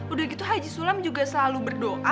udah gitu haji sulam juga selalu berdoa